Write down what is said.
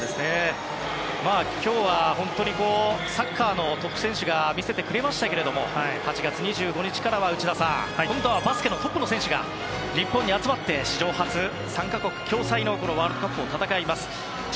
今日は、本当にサッカーのトップ選手が見せてくれましたけど８月２５日からは今度はバスケのトップの選手が日本に集まって史上初３か国共催のワールドカップを戦います。